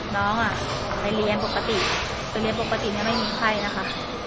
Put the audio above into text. น้องไปเรียนปกติไปเรียนปกติไม่มีไข้นะคะ